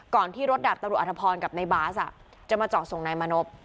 ก่อนที่รถดาบตะหรูอาทธพรกับในบาสจะมาจอดส่งนายมานบ